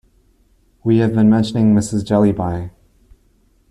We have been mentioning Mrs. Jellyby.